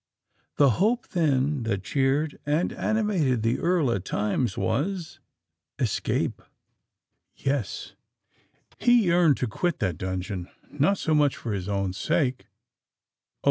The hope, then, that cheered and animated the Earl at times, was—ESCAPE! Yes: he yearned to quit that dungeon, not so much for his own sake—oh!